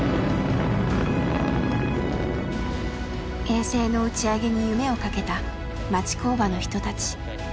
衛星の打ち上げに夢をかけた町工場の人たち。